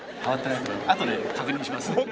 あとで確認します。